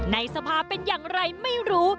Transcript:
ในสภาเป็นอย่างไรไม่รู้